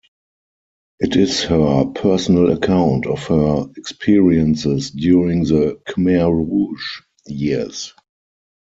It is her personal account of her experiences during the Khmer Rouge years.